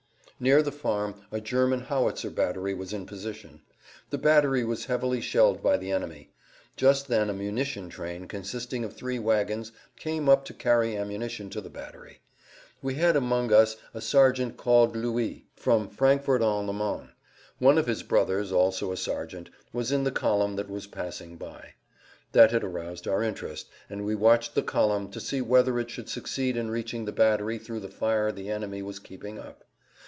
Near the farm a German howitzer battery was in position. The battery was heavily shelled by the enemy. Just then a munition train consisting of three wagons came up to carry ammunition to the battery. We had amongst us a sergeant called Luwie, from Frankfort on the Main. One of his brothers, also a sergeant, was in the column that was passing by. That had aroused our interest, and we watched the column to see whether it should succeed in reaching the battery through the fire the enemy was keeping up.